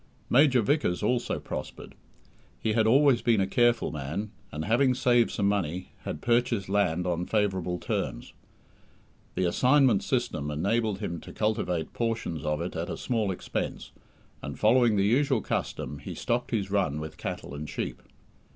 Major Vickers also prospered. He had always been a careful man, and having saved some money, had purchased land on favourable terms. The "assignment system" enabled him to cultivate portions of it at a small expense, and, following the usual custom, he stocked his run with cattle and sheep.